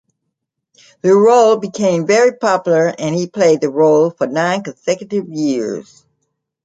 The role became very popular and he played the role for nine consecutive years.